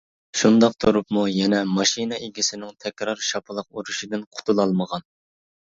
شۇنداق تۇرۇپمۇ يەنە ماشىنا ئىگىسىنىڭ تەكرار شاپىلاق ئۇرۇشىدىن قۇتۇلالمىغان.